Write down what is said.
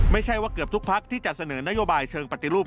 ไม่ใช่ว่าเกือบทุกพักที่จะเสนอนโยบายเชิงปฏิรูป